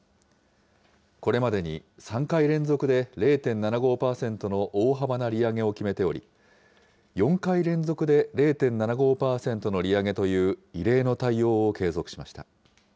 これまでに３回連続で０．７５％の大幅な利上げを決めており、４回連続で０．７５％の利上げという異例の対応を継続しました。